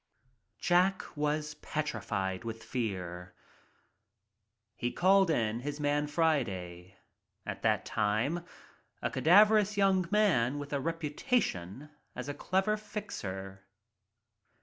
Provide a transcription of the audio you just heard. Jack was petrified with fear. He called in his man Friday — at that time*a cadaverous young man with a reputation as a clever fixer.